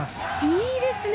いいですね。